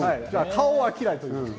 顔は嫌いということで。